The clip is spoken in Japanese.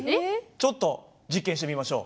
ちょっと実験してみましょう。